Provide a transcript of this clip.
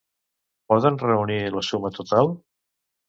Poden reunir la suma total?